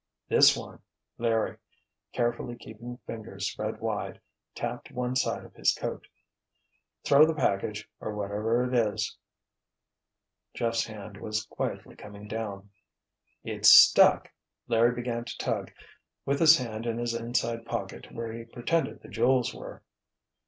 "This one!" Larry, carefully keeping fingers spread wide, tapped one side of his coat. "Throw the package or whatever it is——" Jeff's hand was quietly coming down. "It's stuck!" Larry began to tug, with his hand in his inside pocket where he pretended the jewels were.